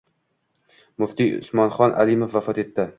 Muftiy Usmonxon Alimov vafot etdi